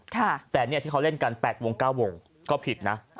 แต่เนี่ยที่เขาเล่นกัน๘วง๙วงก็ผิดนะ